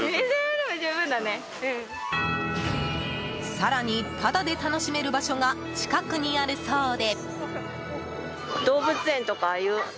更に、タダで楽しめる場所が近くにあるそうで。